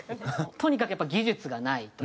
とにかくやっぱり技術がないと。